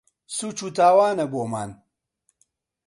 سووچ و تاوانە بۆمان